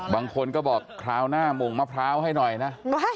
บางคนก็บอกคราวหน้าหม่งมะพร้าวให้หน่อยนะ